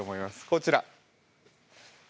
こちら。